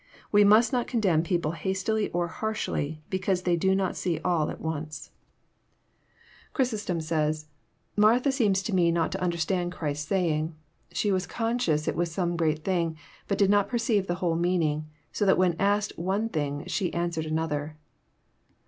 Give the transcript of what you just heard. We must not con demn people hastily or harshly, because they do not see all at once. 12 266 EXPOSITORY THOUGHTS. Chrysostom says :<* Martha seems to me not to understand Christ's haying. She vrss conscious it was some great thing, bnt did not perceive the whole meaning, so that when ask^ one thing she answered another.